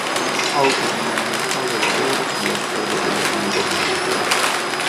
Auto di monumentale lavoro sulla storia della lingua bulgara.